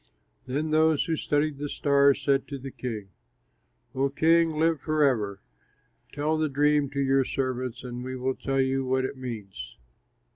Then those who studied the stars said to the king: "O king, live forever! Tell the dream to your servants and we will tell you what it means."